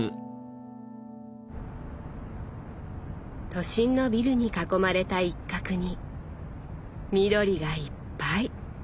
都心のビルに囲まれた一角に緑がいっぱい。